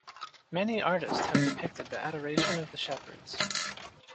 Many artists have depicted the Adoration of the Shepherds.